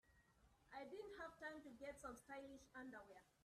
I didn't have time to get some stylish underwear.